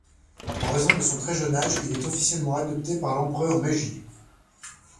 En raison de son très jeune âge, il est officiellement adopté par l'empereur Meiji.